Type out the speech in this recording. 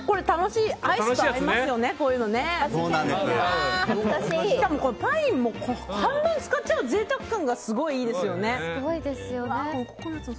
しかもパインも半分使っちゃう贅沢感がすごくいいですよね。